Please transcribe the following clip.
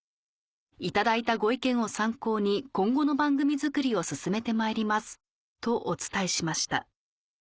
「頂いたご意見を参考に今後の番組作りを進めてまいります」とお伝えしました